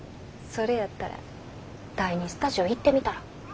それやったら第２スタジオ行ってみたら？